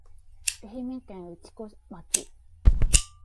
愛媛県内子町